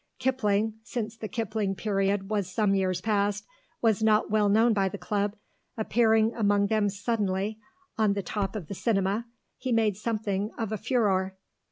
Kipling, since the Kipling period was some years past, was not well known by the Club; appearing among them suddenly, on the top of the Cinema, he made something of a furore.